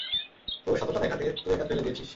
তোর সততা দেখাতে, তুই এটা ফেলে দিয়েছিস।